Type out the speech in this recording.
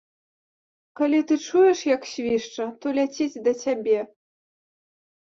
Калі ты чуеш, як свішча, то ляціць да цябе.